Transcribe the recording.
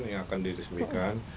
yang akan diresmikan